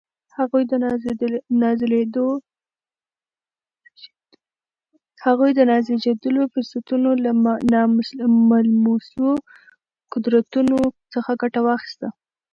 هغوی د نازېږېدلو فرصتونو له ناملموسو قدرتونو څخه ګټه واخیسته